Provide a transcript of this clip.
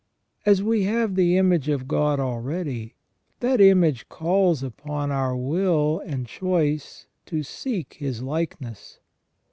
As we have the image of God already, that image calls upon our will and choice to seek His likeness.